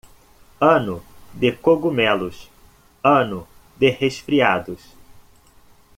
Ano de cogumelos, ano de resfriados.